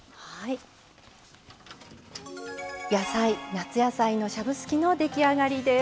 夏野菜のしゃぶすきの出来上がりです。